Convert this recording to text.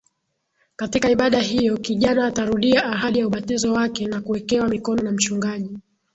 Katika ibada hiyo kijana atarudia ahadi ya ubatizo wake na kuwekewa mikono na mchungaji